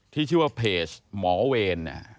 ที่ชื่อว่าเพจหมอเวร